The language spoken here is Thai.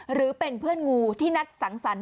หรือเป็นเพื่อนงูที่นัดสังสรรค